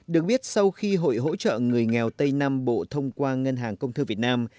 được biết sau khi hội hỗ trợ người nghèo tây nam bộ thông qua ngân hàng công thư việt nam